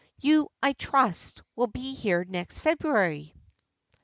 "You, I trust, will be here next February."